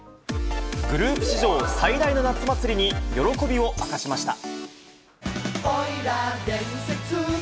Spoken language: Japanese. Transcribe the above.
グループ史上最大の夏祭りに、喜びを明かしました。